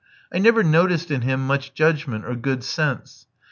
I never noticed in him much judgment or good sense.